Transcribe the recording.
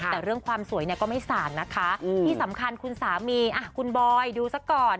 แต่เรื่องความสวยเนี่ยก็ไม่ส่างนะคะที่สำคัญคุณสามีคุณบอยดูซะก่อน